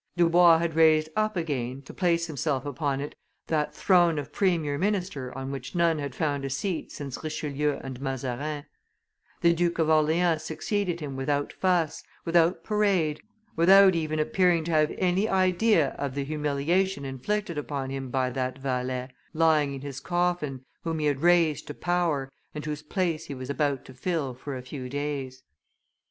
Dubois had raised up again, to place himself upon it, that throne of premier minister on which none had found a seat since Richelieu and Mazarin; the Duke of Orleans succeeded him without fuss, without parade, without even appearing to have any idea of the humiliation inflicted upon him by that valet, lying in his coffin, whom he had raised to power, and whose place he was about to fill for a few days.